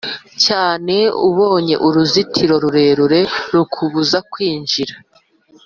cyane Ubonye uruzitiro rurerure rukubuza kwinjira